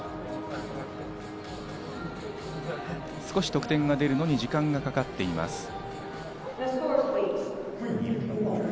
少し得点が出るのに時間がかかっています。